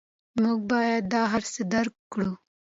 موږ باید دا هر څه درک کړو.